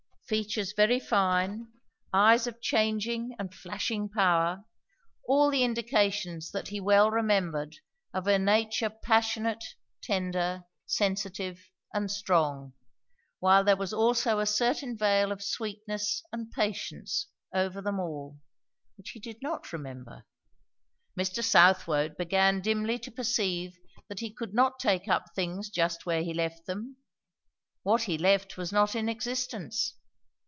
Features very fine, eyes of changing and flashing power, all the indications that he well remembered of a nature passionate, tender, sensitive and strong; while there was also a certain veil of sweetness and patience over them all, which he did not remember. Mr. Southwode began dimly to perceive that he could not take up things just where he left them; what he left was not in existence.